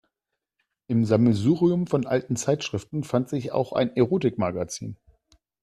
Im Sammelsurium von alten Zeitschriften fand sich auch ein Erotikmagazin.